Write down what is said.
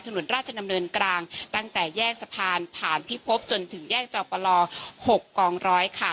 ถนนราชดำเนินกลางตั้งแต่แยกสะพานผ่านพิภพจนถึงแยกจอปล๖กองร้อยค่ะ